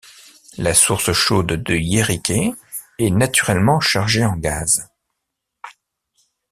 La source chaude de Yerike est naturellement chargée en gaz.